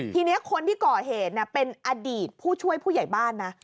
ทีนี้คนที่ก่อเหตุเป็นอดีตผู้ช่วยผู้ใหญ่บ้านนะ